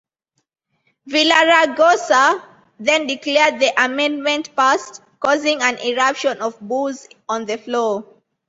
Villaraigosa then declared the amendment passed, causing an eruption of boos on the floor.